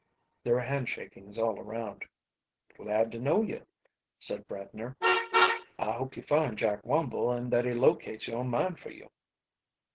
There were handshakings all around. "Glad to know you," said Bradner. "I hope you find Jack Wumble and that he locates your mine for you."